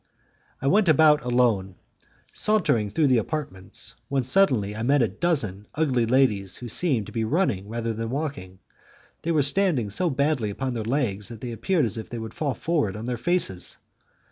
I went about alone, sauntering through the apartments, when suddenly I met a dozen ugly ladies who seemed to be running rather than walking; they were standing so badly upon their legs that they appeared as if they would fall forward on their faces.